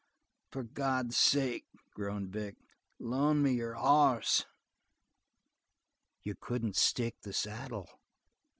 "For God's sake," groaned Vic, "loan me your hoss!" "You couldn't stick the saddle.